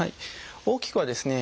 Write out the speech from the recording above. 大きくはですね